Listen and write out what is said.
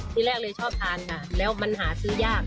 ที่แรกเลยชอบทานค่ะแล้วมันหาซื้อยาก